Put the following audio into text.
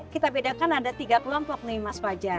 kita bedakan ada tiga kelompok nih mas fajar